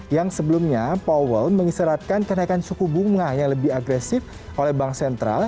yang sebelumnya powell mengisyaratkan kenaikan suku bunga yang lebih agresif oleh bank sentral